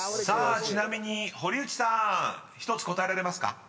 ［さあちなみに堀内さん１つ答えられますか？］